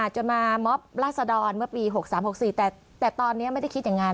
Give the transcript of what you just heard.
จนมามอบราศดรเมื่อปี๖๓๖๔แต่ตอนนี้ไม่ได้คิดอย่างนั้น